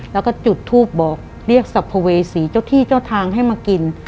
แล้วก็จุดทูปบอกเรียกสัมภเวษีเจ้าที่เจ้าทางให้มากิน